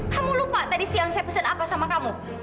kamu lupa tadi siang saya pesan apa sama kamu